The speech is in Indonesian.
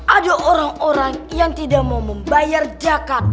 ada orang orang yang tidak mau membayar jakarta